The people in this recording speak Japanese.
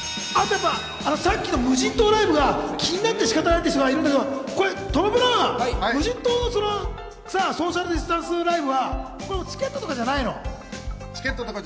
さっきの無人島ライブが気になって仕方ないという人がいるんだけれども、トム・ブラウン、無人島のソーシャルディスタンスライブはチケットとかないの？